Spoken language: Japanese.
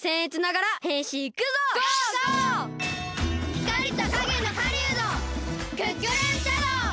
ひかりとかげのかりゅうどクックルンシャドー！